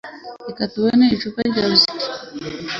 Reka tubone icupa rya whisky